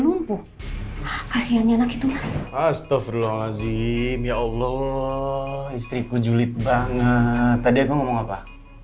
lumpuh kasihan enak itu astafrullah lazim ya allah istriku julid banget tadi aku ngomong apa